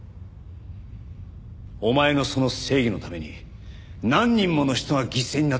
お前のその正義のために何人もの人が犠牲になった。